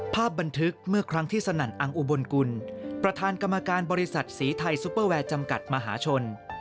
บันทึกเมื่อครั้งที่สนั่นอังอุบลกุลประธานกรรมการบริษัทสีไทยซุปเปอร์แวร์จำกัดมหาชน